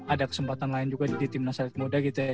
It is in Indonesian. ada kesempatan lain juga di timnas atlet muda gitu ya